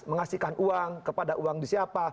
mengasihkan uang kepada uang di siapa